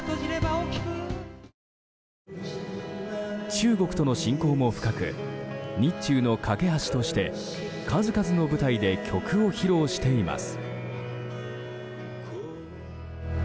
中国との親交も深く日中の懸け橋として数々の舞台で曲を披露しています。